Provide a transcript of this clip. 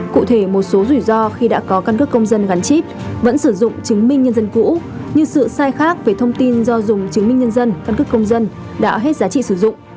cụ thể một số rủi ro khi đã có căn cước công dân gắn chip vẫn sử dụng chứng minh nhân dân cũ như sự sai khác về thông tin do dùng chứng minh nhân dân căn cức công dân đã hết giá trị sử dụng